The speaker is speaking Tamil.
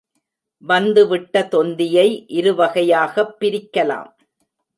வந்துவிட்ட தொந்தியை இருவகையாகப் பிரிக்கலாம்.